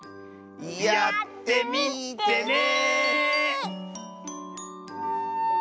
やってみてね！